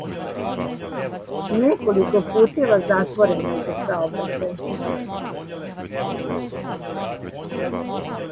Неколико путева затворено је за саобраћај.